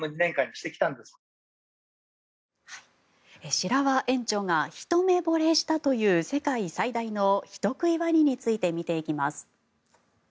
白輪園長がひと目ぼれしたという世界最大の人食いワニについて見ていきます。